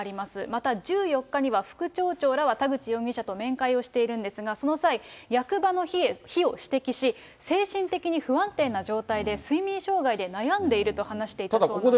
また１４日には、副町長らは田口容疑者と面会をしているんですが、その際、役場の非を指摘し、精神的に不安定な状態で睡眠障害で悩んでいると話していたそうな